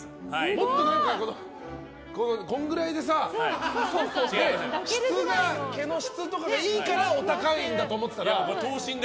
もっとこんぐらいでさ毛の質とかがいいからお高いんだと思ってたら。